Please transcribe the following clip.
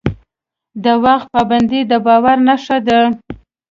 د وخت پابندي د باور نښه ده.